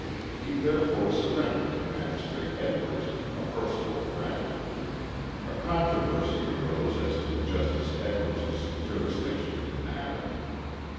He therefore surrendered to Magistrate Edwards, a personal friend. A controversy arose as to Justice Edwards' jurisdiction in the matter.